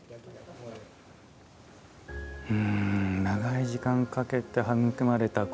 長い時間をかけて育まれた苔。